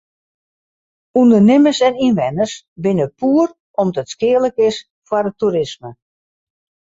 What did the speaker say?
Undernimmers en ynwenners binne poer om't it skealik is foar it toerisme.